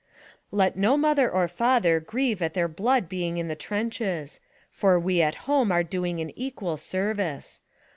Let no mother or father grieve at their blood being in the trenches; for we at home are doing an equal service.